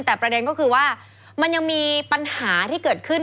แต่ประเด็นก็คือว่ามันยังมีปัญหาที่เกิดขึ้น